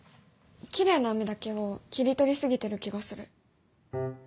きれいな海だけを切り取り過ぎてる気がする。